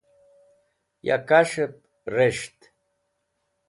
ya kas̃h'ep res̃ht